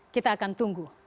kita akan tunggu